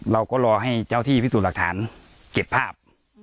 เราก็รอให้เจ้าที่พิสูจน์หลักฐานเก็บภาพ